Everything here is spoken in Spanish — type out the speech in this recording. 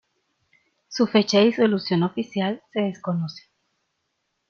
Su fecha de disolución oficial se desconoce.